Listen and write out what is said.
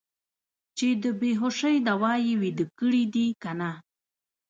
چې د بې هوشۍ دوا یې ویده کړي دي که نه.